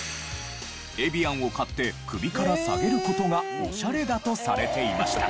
エビアンを買って首から提げる事がオシャレだとされていました。